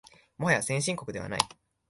もはや先進国ではない